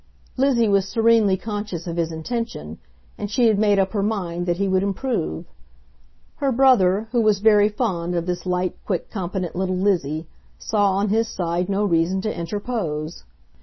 Lizzie was serenely conscious of his intention, and she had made up her mind that he would improve. Her brother, who was very fond of this light, quick, competent little Lizzie, saw on his side no reason to interpose.